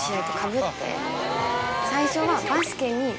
最初は。